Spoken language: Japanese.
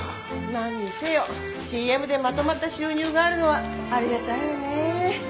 何にせよＣＭでまとまった収入があるのはありがたいわね。